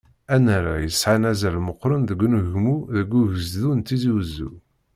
Annar-a, yesɛan azal meqqren deg unegmu deg ugezdu n Tizi Uzzu.